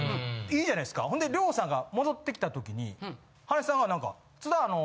いいじゃないですかほんで亮さんが戻ってきた時に原西さんが何か「津田あの」。